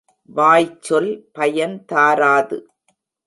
வாய்ச்சொல் பயன் தாராது.